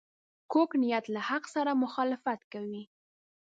کوږ نیت له حق سره مخالفت کوي